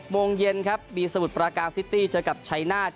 โมงเย็นครับมีสมุทรปราการซิตี้เจอกับชัยนาธิ